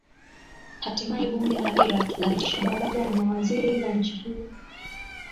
hatimaye bunge la iraq lathibitisha baraza la mawaziri la nchi hiyo